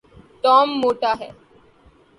Tom موٹا ہے